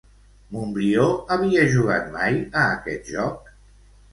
Montbrió havia jugat mai a aquest joc?